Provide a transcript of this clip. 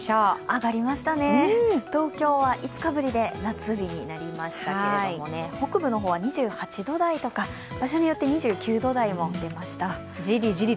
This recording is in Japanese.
上がりましたね、東京は５日ぶりで夏日になりましたけど北部の方は２８度台とか場所によって２９度台も出ました。